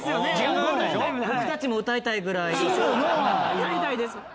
やりたいです。